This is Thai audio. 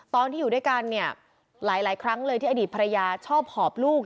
ตอนที่อยู่ด้วยกันเนี่ยหลายครั้งเลยที่อดีตภรรยาชอบหอบลูก